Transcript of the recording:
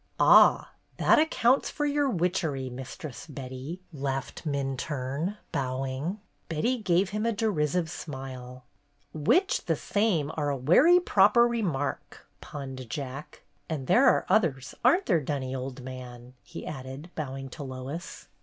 "Ah! That accounts for your witchery. Mistress Betty !" laughed Minturne, bowing. Betty gave him a derisive smile. "Witch the same are a werry proper re mark," punned Jack. "And there are others, aren't there, Dunny, old man?" he added, bowing to Lois.